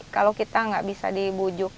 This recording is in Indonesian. kalau kita nggak bisa dibujuk